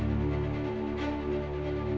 bayangkan anda etos yang menjadi ketutup